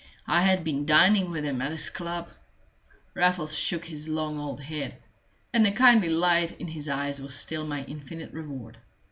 "I had been dining with him at his club!" Raffles shook his long old head. And the kindly light in his eyes was still my infinite reward.